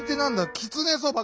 「きつねそば」か？